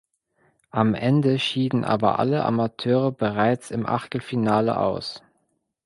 Am Ende schieden aber alle Amateure bereits im Achtelfinale aus.